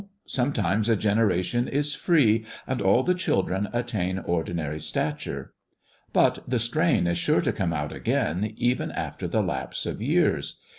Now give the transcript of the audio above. Sometimes a generation is free, &nd all the children attain ordinary stature. But the strain is sure to come out again, even after the lapse of years.